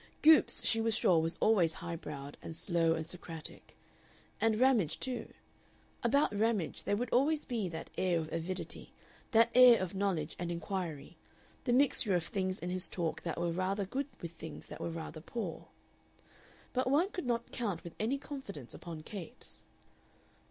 Goopes, she was sure was always high browed and slow and Socratic. And Ramage too about Ramage there would always be that air of avidity, that air of knowledge and inquiry, the mixture of things in his talk that were rather good with things that were rather poor. But one could not count with any confidence upon Capes.